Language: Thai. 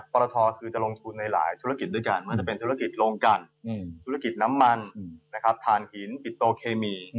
ปรทคือจะลงทุนในหลายธุรกิจด้วยกันมันจะเป็นธุรกิจลงกันธุรกิจน้ำมันฐานหินปิโตเคมี